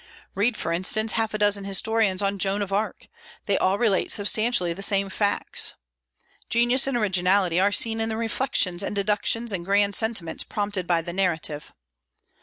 Read, for instance, half a dozen historians on Joan of Arc: they all relate substantially the same facts. Genius and originality are seen in the reflections and deductions and grand sentiments prompted by the narrative.